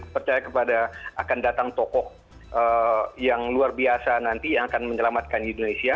percaya kepada akan datang tokoh yang luar biasa nanti yang akan menyelamatkan indonesia